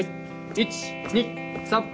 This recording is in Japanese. １・２・３。